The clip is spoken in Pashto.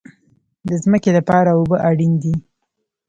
د ځمکې لپاره اوبه اړین دي